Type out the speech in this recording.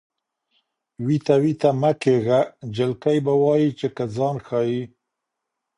وېته وېته مه کېږه جلکۍ به وایې چې که ځان ښایې.